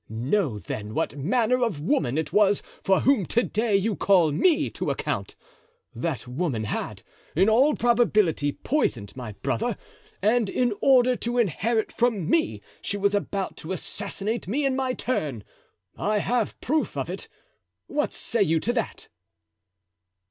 Know, then, what manner of woman it was for whom to day you call me to account. That woman had, in all probability, poisoned my brother, and in order to inherit from me she was about to assassinate me in my turn. I have proof of it. What say you to that?"